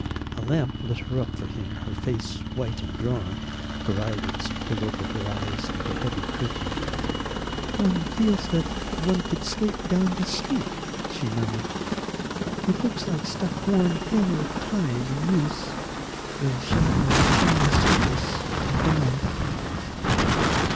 A lamp lit her up for him, her face white and drawn, her eyelids pulled over her eyes like a heavy curtain. "One feels that one could skate down the street," she murmured, "it looks like stuff worn thin with time and use the shabby shiny surface of the night."